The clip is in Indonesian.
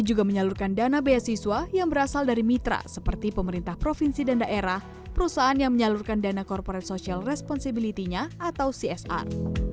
juga menyalurkan dana beasiswa yang berasal dari mitra seperti pemerintah provinsi dan daerah perusahaan yang menyalurkan dana corporate social responsibility nya atau csr